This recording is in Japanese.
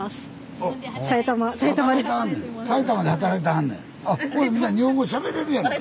あみんな日本語しゃべれるやんか。